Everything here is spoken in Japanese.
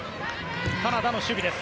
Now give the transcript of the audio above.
カナダの守備です。